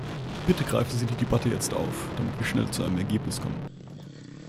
Bitte greifen Sie die Debatte jetzt auf, damit wir schnell zu einem Ergebnis kommen.